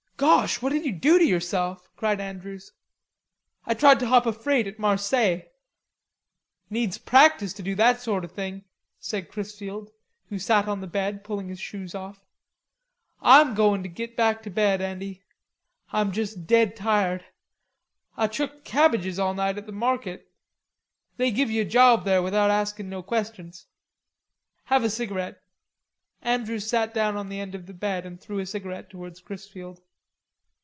"Gosh, what did you do to yourself?" cried Andrews. "I tried to hop a freight at Marseilles." "Needs practice to do that sort o' thing," said Chrisfield, who sat on the bed, pulling his shoes off. "Ah'm go in' to git back to bed, Andy. Ah'm juss dead tired. Ah chucked cabbages all night at the market. They give ye a job there without askin' no questions." "Have a cigarette." Andrews sat down on the foot of the bed and threw a cigarette towards Chrisfield.